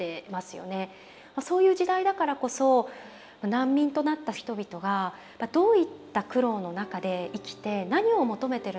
そういう時代だからこそ難民となった人々がどういった苦労の中で生きて何を求めてるのか。